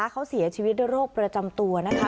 เขาเสียชีวิตด้วยโรคประจำตัวนะคะ